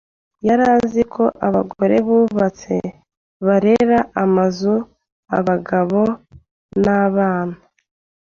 Yari azi uko abagore bubatse barera amazu, abagabo nabana.